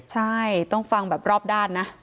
ใช่ต้องฟังแบบรอบด้านนะ